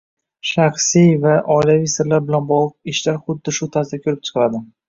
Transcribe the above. Shaxsiy va oilaviy sirlar bilan bog'liq ishlar xuddi shu tarzda ko'rib chiqiladi